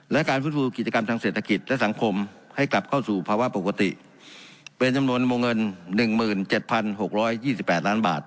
และการฟื้นฟูกิจกรรมทางเศรษฐกิจและสังคมให้กลับเข้าสู่ภาวะปกติเป็นจำนวนวงเงิน๑๗๖๒๘ล้านบาท